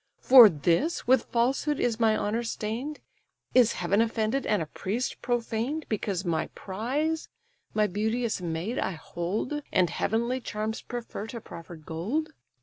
For this with falsehood is my honour stain'd, Is heaven offended, and a priest profaned; Because my prize, my beauteous maid, I hold, And heavenly charms prefer to proffer'd gold?